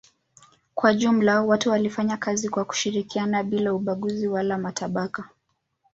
Kwa jumla watu walifanya kazi kwa kushirikiana bila ubaguzi wala matabaka.